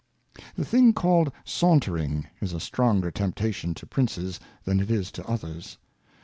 The thing called Sauntering, is a stronger Temptation to Princes than it is to others.